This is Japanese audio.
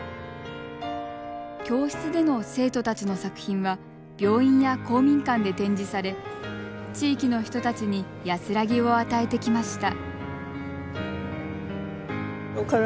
教室での生徒たちの作品は病院や公民館で展示され地域の人たちに安らぎを与えてきました。